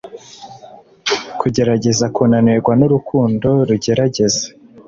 Kugerageza kunanirwa nurukundo rugerageza